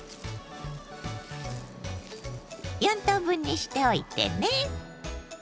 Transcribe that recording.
４等分にしておいてね。